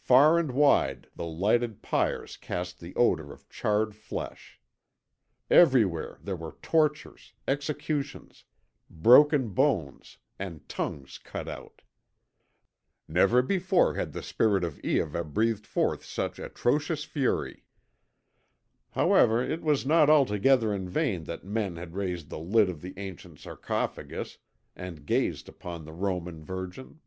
"Far and wide the lighted pyres cast the odour of charred flesh. Everywhere there were tortures, executions, broken bones, and tongues cut out. Never before had the spirit of Iahveh breathed forth such atrocious fury. However, it was not altogether in vain that men had raised the lid of the ancient sarcophagus and gazed upon the Roman Virgin.